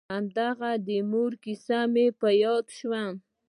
هماغه د مور کيسې مې په ياد شوې.